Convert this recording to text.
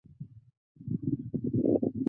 后秦时初设此职名。